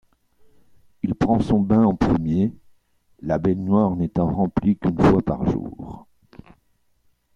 Il prend son bain en premier, la baignoire n'étant remplie qu'une fois par jour.